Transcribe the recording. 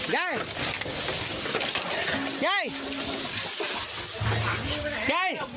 ยาย